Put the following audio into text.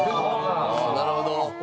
なるほど。